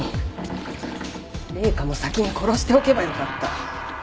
麗華も先に殺しておけばよかった。